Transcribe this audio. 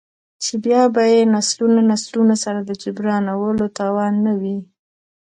،چـې بـيا بـه يې نسلونه نسلونه سـره د جـبران ولـو تـوان نـه وي.